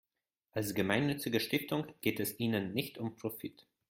Als gemeinnützige Stiftung geht es ihnen nicht um Profit.